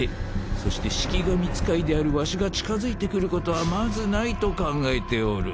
そして式神使いであるわしが近づいてくることはまずないと考えておる。